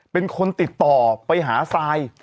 เป็นคนติดต่อไปหาทราย